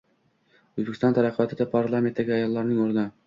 O‘zbekiston taraqqiyotida parlamentdagi ayollarning o‘rni